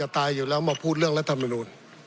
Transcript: ตายอยู่แล้วมาพูดเรื่องรัฐมนูล